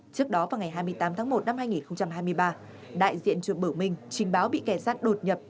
trước đó vào ngày hai mươi tám tháng một năm hai nghìn hai mươi ba đại diện chùa bở minh trình báo bị kẻ sát đột nhập